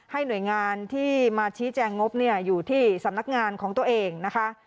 หน่วยงานที่มาชี้แจงงบอยู่ที่สำนักงานของตัวเองนะคะ